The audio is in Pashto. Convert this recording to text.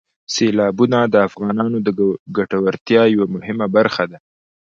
سیلابونه د افغانانو د ګټورتیا یوه مهمه برخه ده.